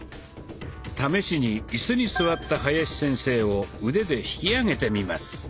試しにイスに座った林先生を腕で引き上げてみます。